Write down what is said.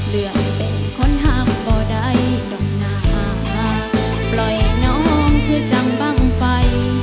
เรื่องเป็นคนหักบ่ได้ดมนาปล่อยน้องคือจังบ้างไฟ